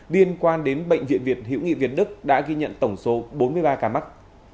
liên quan đến bệnh viện việt hiệu nghị việt đức đã ghi nhận tổng số bốn mươi ba ca mắc